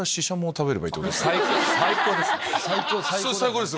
最高です。